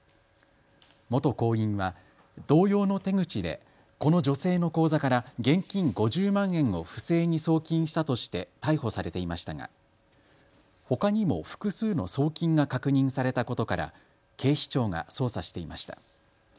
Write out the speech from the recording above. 元行員は同様の手口でこの女性の口座から現金５０万円を不正に送金したとして逮捕されていましたがほかにも複数の送金が確認されたことから警視庁が捜査していました。